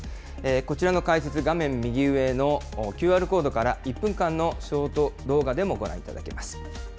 こちらの解説、画面右上のＱＲコードから、１分間のショート動画でもご覧いただけます。